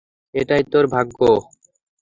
এটাই তোর ভাগ্য।